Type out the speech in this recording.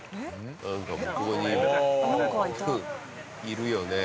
いるよね。